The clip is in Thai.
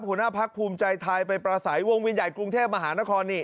หัวหน้าพรรคภูมิใจทายไปปลาสายวงวิญญัติกรุงเทพภาษามหานครนี่